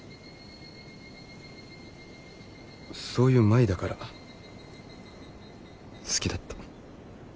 そういう舞だから好きだった。